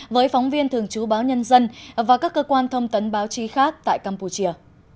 với phóng viên thường trú báo nhân dân và các cơ quan thông tấn báo chí khác tại campuchia